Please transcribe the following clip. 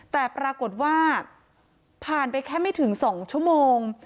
แต่ปรากฏว่าผ่านไปแค่ไม่ถึง๒ชั่วโมง